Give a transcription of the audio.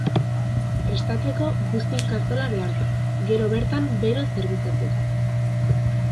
Prestatzeko buztin-kazola behar da gero bertan bero zerbitzatzeko.